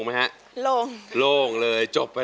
มีคนอยู่นี่